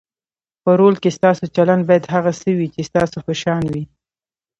په رول کې ستاسو چلند باید هغه څه وي چې ستاسو په شان وي.